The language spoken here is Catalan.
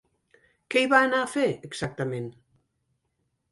¿Què hi va anar a fer, exactament?